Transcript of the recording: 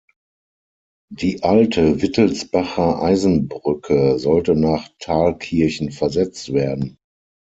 Die alte Wittelsbacher Eisenbrücke sollte nach Thalkirchen versetzt werden.